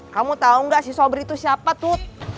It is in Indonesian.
kamu tau gak si sobri itu siapa tut